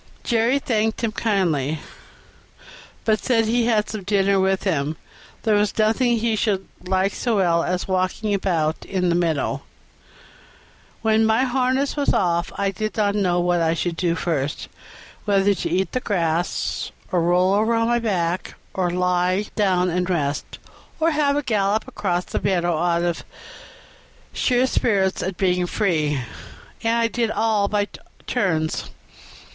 Jerry thanked him kindly, but said as he had some dinner with him there was nothing he should like so well as walking about in the meadow. When my harness was taken off I did not know what I should do first whether to eat the grass, or roll over on my back, or lie down and rest, or have a gallop across the meadow out of sheer spirits at being free; and I did all by turns.